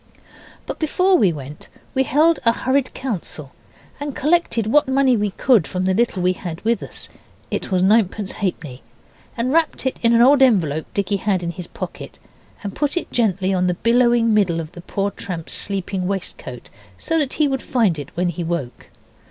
But before we went we held a hurried council and collected what money we could from the little we had with us (it was ninepence halfpenny), and wrapped it in an old envelope Dicky had in his pocket and put it gently on the billowing middle of the poor tramp's sleeping waistcoat, so that he would find it when he woke.